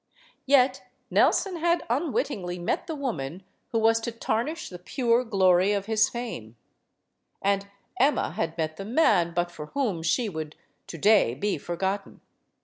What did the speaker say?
Yet Nelson had unwittingly met the woman who was to tarnish the pure glory of his fame; and Emma had met the man but for whom she would to day be for gotten.